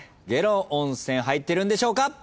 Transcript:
下呂温泉入ってるんでしょうか。